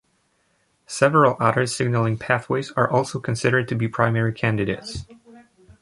Several other signaling pathways are also considered to be primary candidates.